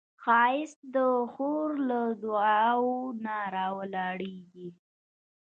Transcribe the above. ښایست د خور له دعاوو نه راولاړیږي